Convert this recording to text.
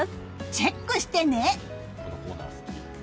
チェックしてね！